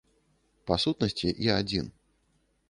Па сутнасці я адзін.